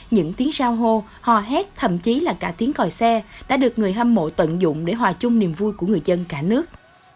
những tiếng sao hô hò hét thậm chí là cả tiếng còi xe đã được người hâm mộ tận dụng để hòa chung niềm vui của người dân cả nước